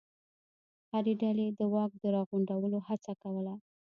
هرې ډلې د واک د راغونډولو هڅه کوله.